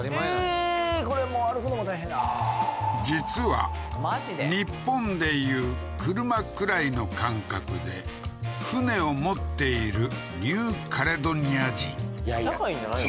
これもう歩くのも大変だ実は日本で言う車くらいの感覚で船を持っているニューカレドニア人高いんじゃないの？